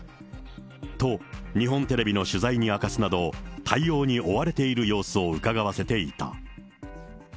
と、日本テレビの取材に明かすなど、対応に追われている様子をうかがわせていた。